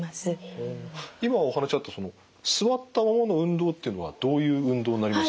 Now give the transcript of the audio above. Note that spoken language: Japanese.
今お話あったその座ったままの運動っていうのはどういう運動になりますか？